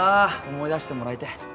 思い出してもらえて。